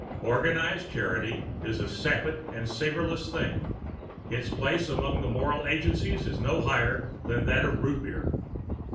Organized charity is a sapid and savorless thing; its place among moral agencies is no higher than that of root beer.